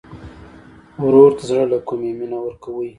ورور ته د زړګي له کومي مینه ورکوې.